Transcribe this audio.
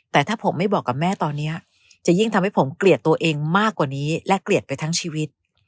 แต่ถ้าผมไม่บอกกับแม่ตอนนี้จะยิ่งทำให้ผมเกลียดตัวเองมากกว่านี้และเกลียดไปทั้งชีวิต